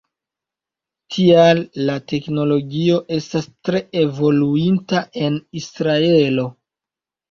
Tial la teknologio estas tre evoluinta en Israelo.